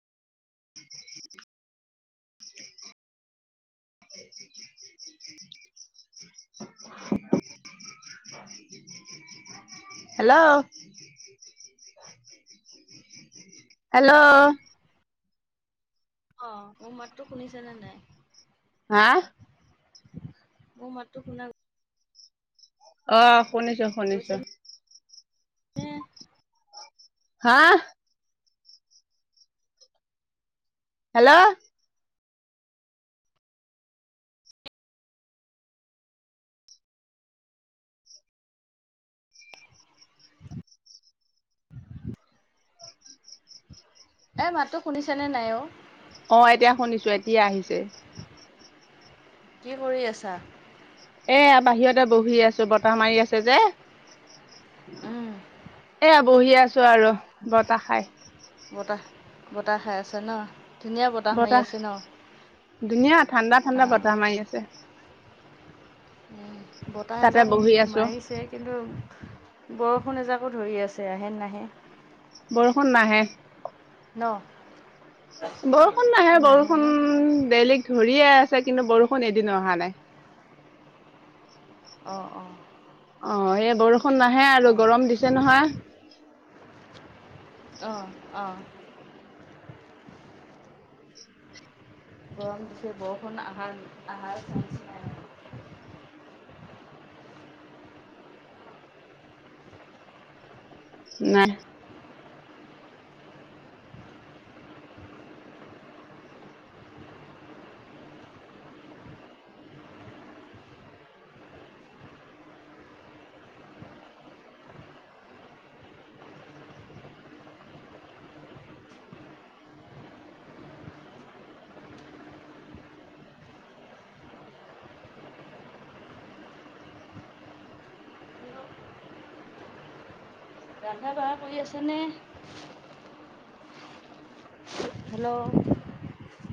[inaudible] [inaudible] Hello. Hello অ মোৰ মাততো শুনিছেনে নাই হা মোৰ মাতটো শুনা অ শুনিছো শুনিছো। উম হা হেল্ল' এ মাতো শুনিচানে নাই অ অ এতিয়া শুনিছো এতিয়া আহিছে। কি কৰি আছা? এয়া বাহিৰতে বহি আছো বতাহ মাৰি আছে যে। উম, এয়া বহি আছো আৰু বতাহ খাই। বা বতাহে আছে ন ধুনীয়া বতাহ মাৰি আছে ন ধুনীয়া ঠাণ্ডা অ। ঠাণ্ডা বতাহ মাৰি আছে বতাহ তাতে এজাক বহি আছো মাৰিছে কিন্তু। বৰষুণ এজাকো ধৰি আছে আহে নাহে। বৰষুণ নাহে। নহ বৰষুণ নাহে বৰষুণ বেলেগ ধৰিয়ে আছে কিন্তু বৰষুণ এদিনো অহা নাই। অ অ অ এই বৰষুণ নাহে আৰু অ', গৰম দিছে নহয়। অ অ গৰম দিছে বৰষুণ আহাৰ আহাৰ চাই নাই ৰন্ধা বঢ়া কৰি আছেনে? হেল্ল'